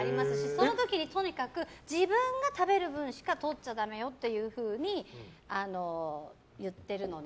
その時にとにかく自分が食べる分しかとっちゃだめよっていうふうに言ってるのね。